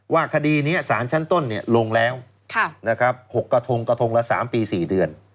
คดีนี้สารชั้นต้นลงแล้ว๖กระทงกระทงละ๓ปี๔เดือน